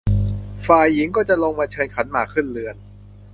ฝ่ายหญิงก็จะลงมาเชิญขันหมากขึ้นเรือน